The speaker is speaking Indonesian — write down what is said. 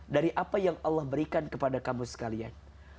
dari apa yang allah berikan kepada kamu sekalian